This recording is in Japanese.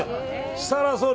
設楽総理